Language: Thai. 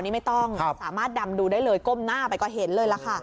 นี่ไม่ต้องสามารถดำดูได้เลยก้มหน้าไปก็เห็นเลยล่ะค่ะ